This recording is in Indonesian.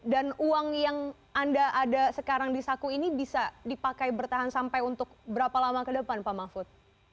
dan uang yang anda ada sekarang di saku ini bisa dipakai bertahan sampai untuk berapa lama ke depan pak mahfud